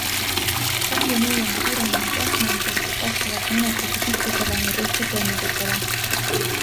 Kahjunõue on suurenenud astmeliselt vastavalt menetluse pikkusele ja tehtud toimingutele.